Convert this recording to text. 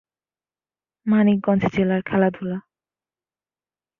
মানিকগঞ্জ জেলার খেলাধুলা